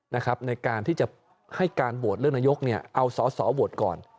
ในการที่จะให้การโหวตเรื่องนายศเอาสอบสอบก่อน